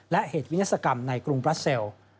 และเหตุวินาศกรรมในกรุงบราเซล